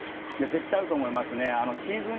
絶対あると思いますね。